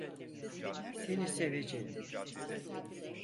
Seni seveceğim